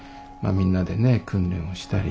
みんなでね訓練をしたり。